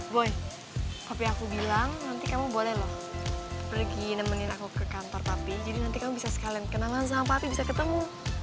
boy tapi aku bilang nanti kamu boleh loh pergi nemenin aku ke kantor tapi jadi nanti kamu bisa sekalian kenalan sama pati bisa ketemu